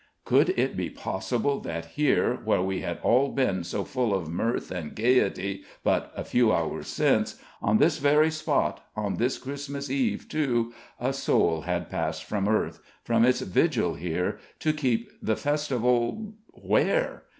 Could it be possible that here, where we had all been so full of mirth and gayety, but a few hours since, on this very spot, on this Christmas Eve, too, a soul had passed from earth from its vigil here to keep the Festival where?